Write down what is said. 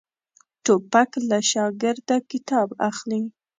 توپک له شاګرده کتاب اخلي.